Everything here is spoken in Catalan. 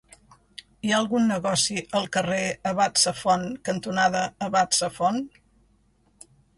Hi ha algun negoci al carrer Abat Safont cantonada Abat Safont?